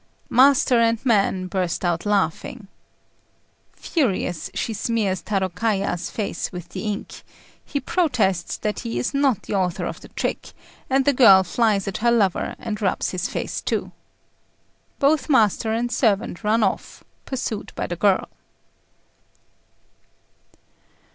Master and man burst out laughing. Furious, she smears Tarôkaja's face with the ink; he protests that he is not the author of the trick, and the girl flies at her lover and rubs his face too. Both master and servant run off, pursued by the girl.